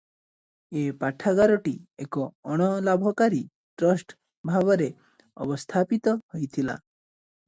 ଏ ପାଠାଗାରଟି ଏକ ଅଣ-ଲାଭକାରୀ ଟ୍ରଷ୍ଟ ଭାବରେ ଅବସ୍ଥାପିତ ହୋଇଥିଲା ।